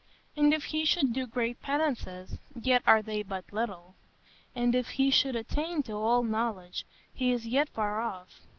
And if he should do great penances, yet are they but little. And if he should attain to all knowledge, he is yet far off.